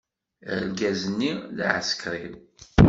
Argaz-nni d aɛsekriw.